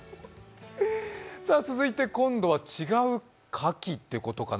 続いて今度は違うかきってことかな？